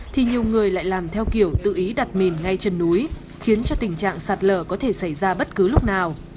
thì nhiều người lại làm theo kiểu tự ý đặt mìn ngay trên núi khiến cho tình trạng sạt lở có thể xảy ra bất cứ lúc nào